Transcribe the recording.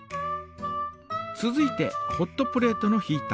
続いてホットプレートのヒータ。